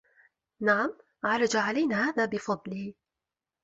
نَعَمْ عَرَجَ عَلَيْنَا هَذَا بِفَضْلِهِ